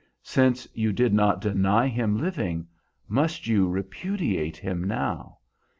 Since you did not deny him living, must you repudiate him now?